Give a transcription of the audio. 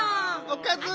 おかず！